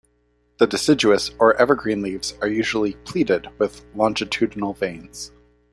The deciduous or evergreen leaves are usually pleated, with longitudinal veins.